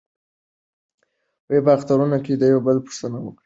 په اخترونو کې د یو بل پوښتنه وکړئ.